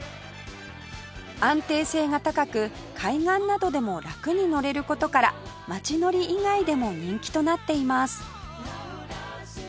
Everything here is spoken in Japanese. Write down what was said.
安定性が高く海岸などでもラクに乗れる事から街乗り以外でも人気となっています